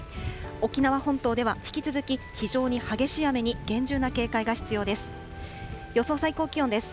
沖縄本島では、引き続き非常に激しい雨に厳重な警戒が必要です。